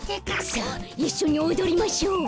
さあいっしょにおどりましょう。